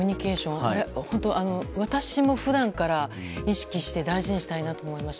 あれ、私も普段から意識して大事にしたいなと思いました。